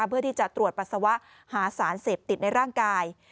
เพื่อที่จะตรวจปัสสาวะหาสารเสพติดในร่างกาย